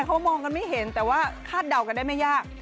เขามองกันไม่เห็นแต่ว่าคาดเดากันได้ไม่ยาก